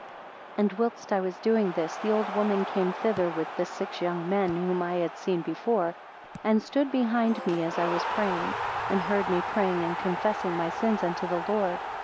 9 And whilst I was doing this, the old woman came thither with the six young men whom I had seen before, and stood behind me as I was praying, and heard me praying and confessing my sins unto the Lord.